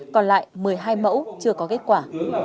còn lại một mươi hai mẫu chưa có kết quả